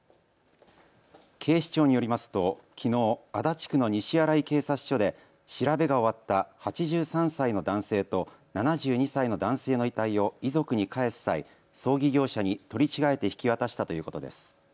警視庁によりますときのう足立区の西新井警察署で調べが終わった８３歳の男性と７２歳の男性の遺体を遺族に返す際、葬儀業者に取り違えて引き渡したということです。